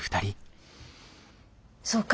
そうか。